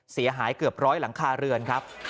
เสียหายเกือบร้อยหลังคาเรือนครับ